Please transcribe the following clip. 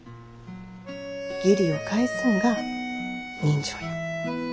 義理を返すんが人情や。